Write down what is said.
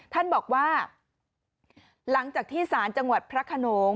ท่านบอกว่าหลังจากที่สารจังหวัดพระขนง